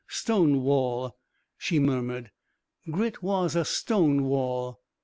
"Stone wall," she murmured, "Grit was a stone wall."